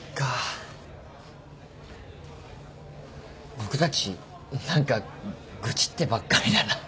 僕たち何か愚痴ってばっかりだな。